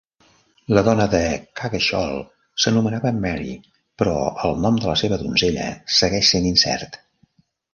La dona de Coggeshall s'anomenava Mary, però el nom de la seva donzella segueix sent incert.